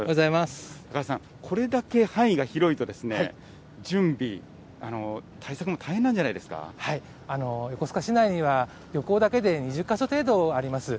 高橋さん、これだけ範囲が広いと、準備、対策も大変なんじゃ横須賀市内には漁港だけで２０か所程度あります。